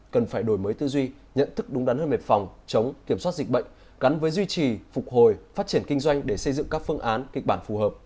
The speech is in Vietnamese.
cần phải đổi mới tư duy nhận thức đúng đắn hơn về phòng chống kiểm soát dịch bệnh gắn với duy trì phục hồi phát triển kinh doanh để xây dựng các phương án kịch bản phù hợp